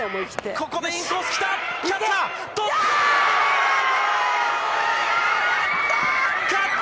ここでインコースきた。